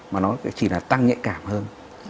mà nó chỉ là tăng nhạy cảm hơn